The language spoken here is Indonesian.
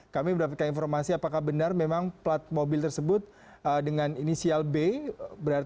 kami mendapatkan informasi apakah benar memang plat mobil tersebut dengan inisial b